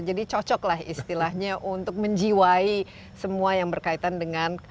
jadi cocoklah istilahnya untuk menjiwai semua yang berkaitan dengan